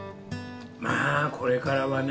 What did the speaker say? まぁこれからはね